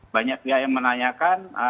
banyak ya yang menanyakan